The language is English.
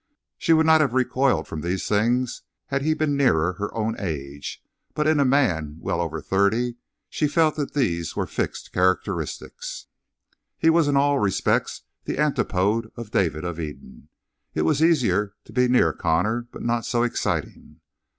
She would not have recoiled from these things had he been nearer her own age; but in a man well over thirty she felt that these were fixed characteristics. He was in all respects the antipode of David of Eden. It was easier to be near Connor, but not so exciting.